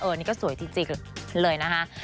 อันนี้ก็สวยจริงเลยนะคะ